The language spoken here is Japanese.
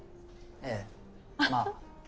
ええまあ。